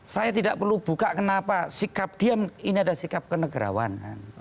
saya tidak perlu buka kenapa sikap diam ini adalah sikap kenegarawanan